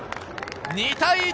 ２対１。